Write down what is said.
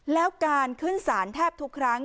แล้วการขึ้นศาลแทบทุกครั้ง